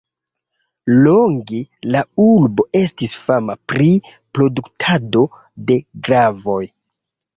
Longe la urbo estis fama pri produktado de glavoj.